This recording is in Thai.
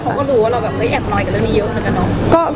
เขาก็รู้ว่าเราแบบไม่อยากหน่อยกับเรื่องนี้เยอะกันเนอะ